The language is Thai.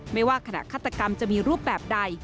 ไม่ว่าขณะฆาตกรรมจะมีรูปแบบใด